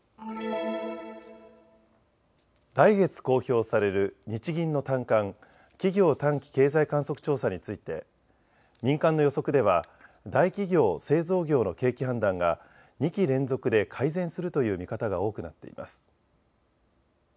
来月公表される日銀の短観・企業短期経済観測調査について民間の予測では大企業・製造業の景気判断が２期連続で改善するという見方が多くなっています。